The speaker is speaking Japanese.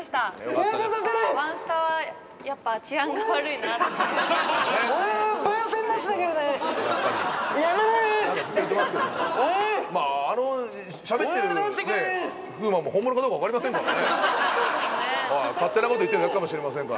勝手なこと言ってるだけかもしれませんから。